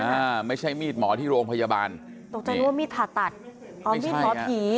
อ่าไม่ใช่มีดหมอที่โรงพยาบาลตกใจนึกว่ามีดผ่าตัดอ๋อมีดหมอผี